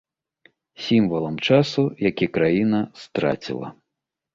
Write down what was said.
Сімвалам часу, які краіна страціла.